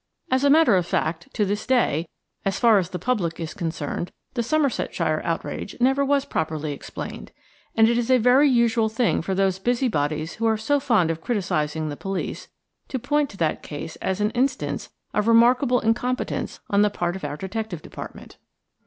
As a matter of fact, to this day–as far as the public is concerned–the Somersetshire outrage never was properly explained; and it is a very usual thing for those busybodies who are so fond of criticising the police to point to that case as an instance of remarkable incompetence on the part of our detective department.